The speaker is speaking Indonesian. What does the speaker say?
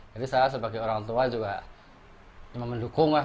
jadi saya sebagai orang tua juga cuma mendukung lah